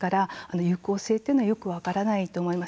有効性はよく分からないと思います。